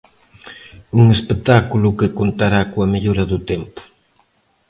Un espectáculo que contará coa mellora do tempo.